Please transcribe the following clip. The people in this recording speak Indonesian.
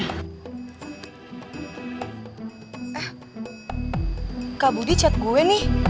eh kak budi chat gue nih